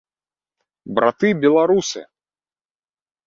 Браты беларусы!